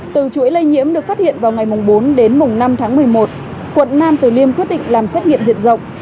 từ chuỗi lây nhiễm được phát hiện vào ngày bốn đến năm tháng một mươi một quận nam từ liêm quyết định làm xét nghiệm diện rộng